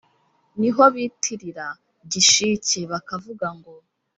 ni ho bitirira gishike, bakavuga, ngo: